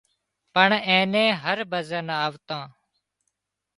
پڻ اين نين هر ڀزن آوتان